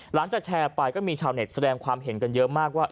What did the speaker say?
หลังจากแชร์ไปก็มีชาวเน็ตแสดงความเห็นกันเยอะมากว่า